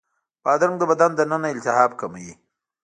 بادرنګ د بدن دننه التهاب کموي.